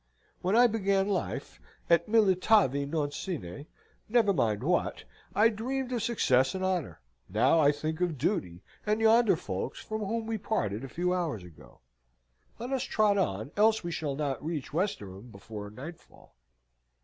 When I began life, et militavi non sine never mind what I dreamed of success and honour; now I think of duty, and yonder folks, from whom we parted a few hours ago. Let us trot on, else we shall not reach Westerham before nightfall."